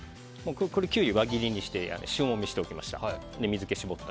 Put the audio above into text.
キュウリ輪切りにして塩もみしておきました。